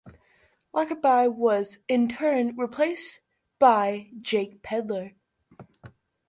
Lockerbie was in turn replaced by Jack Pedler.